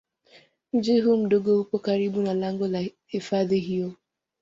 Mji huu mdogo upo karibu na lango la hifadhi hiyo